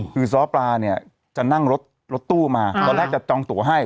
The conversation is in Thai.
คือซ้อปลาเนี่ยจะนั่งรถตู้มาตอนแรกจะจองตัวให้